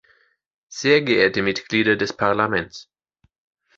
Sehr geehrte Mitglieder des Parlaments!